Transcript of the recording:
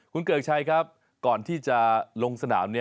คุณเกิกชัยครับก่อนที่จะลงสนาม